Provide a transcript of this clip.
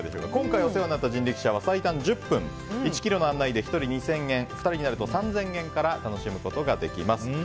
今回お世話になった人力車は最短１０分１ｋｍの案内で１人２０００円２人になると３０００円から楽しむことができます。